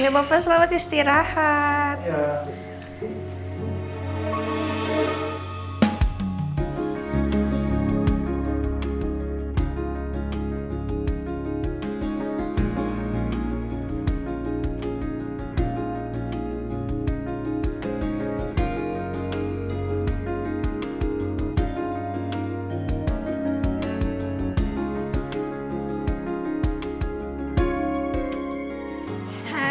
ya papa selamat istirahat